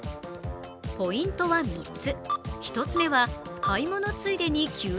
ポイントは３つ。